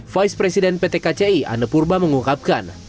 vice president pt kci anne purba mengungkapkan